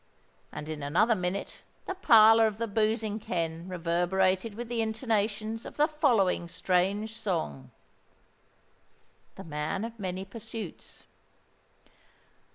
And in another minute the parlour of the boozing ken reverberated with the intonations of the following strange song:— THE MAN OF MANY PURSUITS.